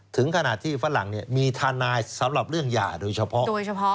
ถึงขนาดที่ฝรั่งมีทานายสำหรับเรื่องยาโดยเฉพาะ